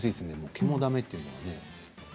毛もだめというのは。